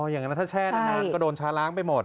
อย่างนั้นถ้าแช่นานก็โดนช้าล้างไปหมด